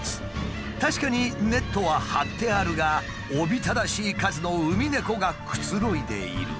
確かにネットは張ってあるがおびただしい数のウミネコがくつろいでいる。